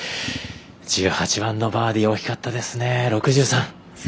１８番のバーディー大きかったですね、６３。